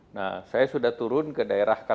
nah saya sudah turun ke daerah daerah yang berikutnya